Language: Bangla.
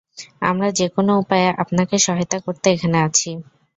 আমরা যেকোন উপায়ে আপনাকে সহায়তা করতে এখানে আছি।